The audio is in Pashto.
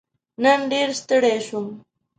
نن ډېر ستړی شوم.